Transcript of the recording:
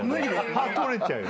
歯取れちゃうよね。